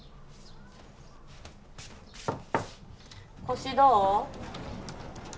腰どう？